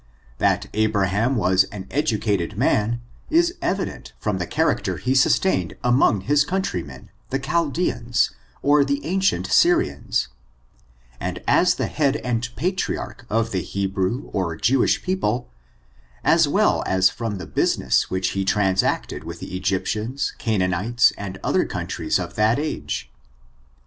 That Abraham was an educated man, is evident from the character he sustained among his country men, the Chaldeans, or the ancient Syrians, and as the head and patriarch of the Hebrew or Jewish peo ple, as well as from the business which he transacted with the Egyptians, Canaanites, and other countries of that age.